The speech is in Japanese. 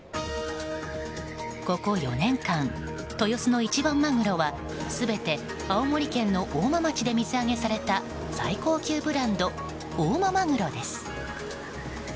ここ４年間豊洲市場の一番マグロは全て青森県の大間町で水揚げされた最高級ブランド大間まぐろです。